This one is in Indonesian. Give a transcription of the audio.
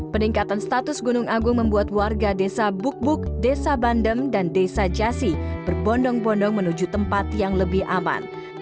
peningkatan status gunung agung membuat warga desa buk buk desa bandem dan desa jasi berbondong bondong menuju tempat yang lebih aman